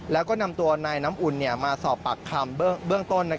แล้วก็นำตัวนายน้ำอุ่นมาสอบปากคำเบื้องต้น